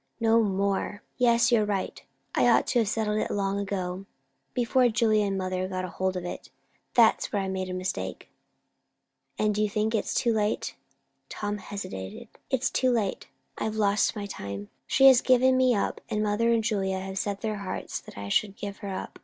"No more! Yes, you're right. I ought to have settled it long ago, before Julia and mother got hold of it. That's where I made a mistake." "And you think it too late?" Tom hesitated. "It's too late. I've lost my time. She has given me up, and mother and Julia have set their hearts that I should give her up.